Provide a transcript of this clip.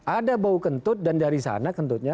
ada bau kentut dan dari sana kentutnya